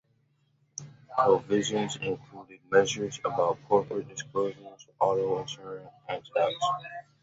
Provisions included measures about corporate disclosure, auto insurance and tax.